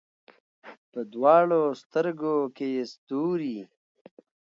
په دواړو سترګو کې یې ستوري